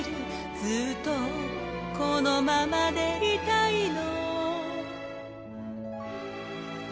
「ずっとこのままでいたいの」